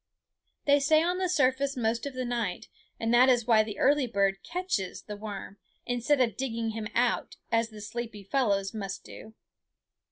They stay on the surface most of the night; and that is why the early bird catches the worm, instead of digging him out, as the sleepy fellows must do.